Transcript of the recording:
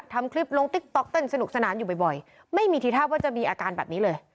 ทำคลิปลงติ๊กต๊อกเต้นสนุกสนานอยู่บ่อยไม่มีทีท่าว่าจะมีอาการแบบนี้เลย